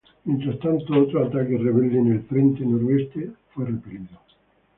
Mientras tanto, otro ataque rebelde en el frente noroeste fue repelido.